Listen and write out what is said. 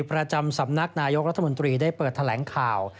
ประจำสำนักนายกรัฐมนตรีได้เปิดแถลงข่าว